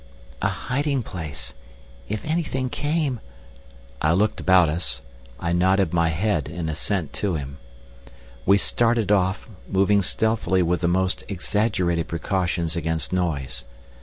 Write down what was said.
"A hiding place! If anything came..." I looked about us. I nodded my head in assent to him. We started off, moving stealthily with the most exaggerated precautions against noise.